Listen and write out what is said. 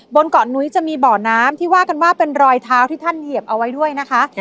บนเกาะนุ้ยจะมีบ่อน้ำที่ว่ากันว่าเป็นรอยเท้าที่ท่านเหยียบเอาไว้ด้วยนะคะ